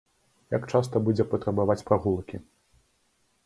Як часта будзе патрабаваць прагулкі?